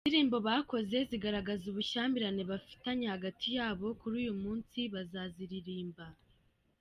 Indirimbo bakoze zigaragaza ubushyamirane bafitanya hagati yabo, kuri uyu munsi bazaziririmba.